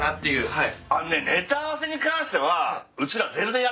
はい。